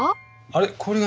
あれ？